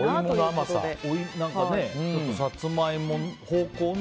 サツマイモ方向の。